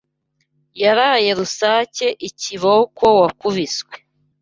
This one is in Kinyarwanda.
Yaraye rusake Ibiboko wakubiswe